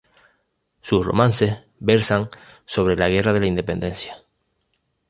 Sus romances versan sobre la Guerra de la Independencia.